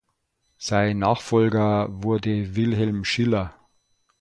Sein Nachfolger wurde Wilhelm Schiller.